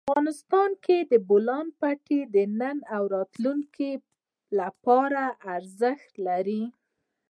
افغانستان کې د بولان پټي د نن او راتلونکي لپاره ارزښت لري.